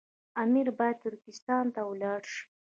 امیر باید ترکستان ته ولاړ شي.